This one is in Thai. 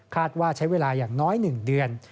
ว่าใช้เวลาอย่างน้อย๑เดือน